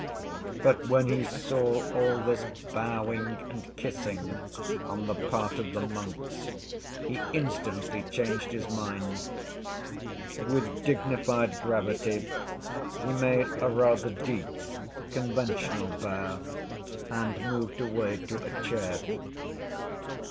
But when he saw all this bowing and kissing on the part of the monks he instantly changed his mind. With dignified gravity he made a rather deep, conventional bow, and moved away to a chair.